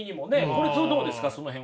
これどうですかその辺は。